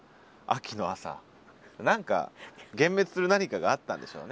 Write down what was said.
何か幻滅する何かがあったんでしょうね。